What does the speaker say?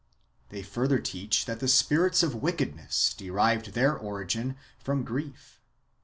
^ They further teach that the spirits of wickedness derived their origin from grief.